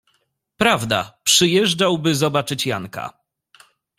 Prawda, przyjeżdżał, by zobaczyć Janka…